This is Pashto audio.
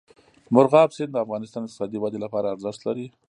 مورغاب سیند د افغانستان د اقتصادي ودې لپاره ارزښت لري.